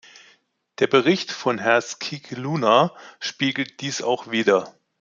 Der Bericht von Herrn Scicluna spiegelt dies auch wieder.